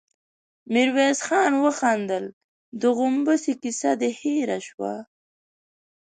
ميرويس خان وخندل: د غومبسې کيسه دې هېره شوه؟